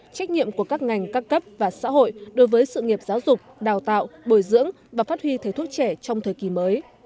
trách nhiệm của các ngành các cấp và xã hội đối với sự nghiệp giáo dục đào tạo bồi dưỡng và phát huy thầy thuốc trẻ trong thời kỳ mới